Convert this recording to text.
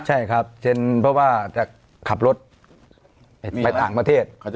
ใช่ครับเซ็นเพราะว่าจะขับรถไปต่างประเทศ